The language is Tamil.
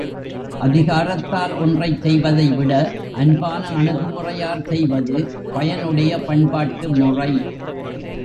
அதிகாரத்தால் ஒன்றைச் செய்வதைவிட, அன்பான அணுகுமுறையால் செய்வது பயனுடைய பண்பாட்டு முறை.